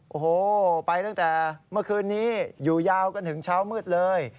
โอ้โหไปตั้งแต่เมื่อคืนนี้อยู่ยาวกันถึงเช้ามืดเลย